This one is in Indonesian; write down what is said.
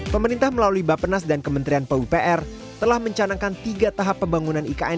pemerintah melalui bapenas dan kementerian pupr telah mencanangkan tiga tahap pembangunan ikn